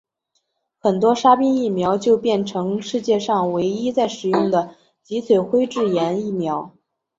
很快沙宾疫苗就变成世界上唯一在使用的脊髓灰质炎疫苗。